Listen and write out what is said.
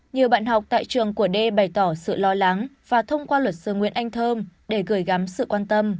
nhiều bạn học tại trường của d bày tỏ sự lo lắng và thông qua luật sư nguyễn anh thơm để gửi gắm sự quan tâm